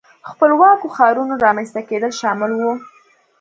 خپلواکو ښارونو رامنځته کېدل شامل وو.